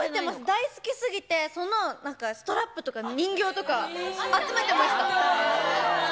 大好きすぎてそのなんかストラップとか、人形とか、集めてました。